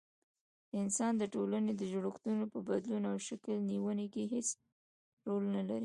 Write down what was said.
انسان د ټولني د جوړښتونو په بدلون او شکل نيوني کي هيڅ رول نلري